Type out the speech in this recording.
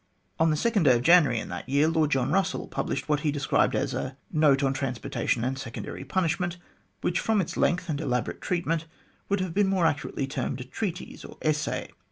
On the second day of January in that year, Lord John Eussell published what he described as a " Note on Transportation and Second ary Punishment," which, from its length and elaborate treatment, would have been more accurately termed a treatise or essay.